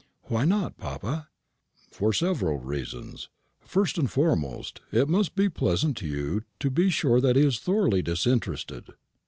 "Why not, papa?" "For several reasons. First and foremost, it must be pleasant to you to be sure that he is thoroughly disinterested.